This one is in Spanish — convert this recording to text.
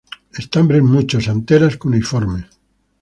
Estambres muchos; anteras cuneiformes.